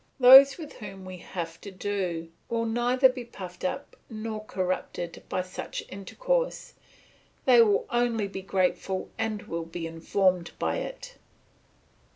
"Those with whom we have to do will neither be puffed up nor corrupted by such intercourse; they will only be grateful and will be informed by it."